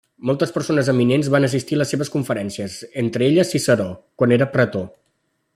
Moltes persones eminents van assistir les seves conferències, entre elles Ciceró, quan era pretor.